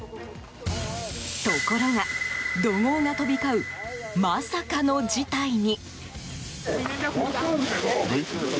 ところが、怒号が飛び交うまさかの事態に。